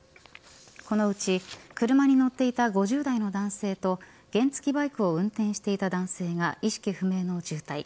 このうち車に乗っていた５０代の男性と原付バイクを運転していた男性が意識不明の重体。